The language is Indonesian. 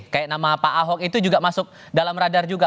kayak nama pak ahok itu juga masuk dalam radar juga